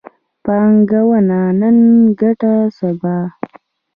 پانګونه نن، ګټه سبا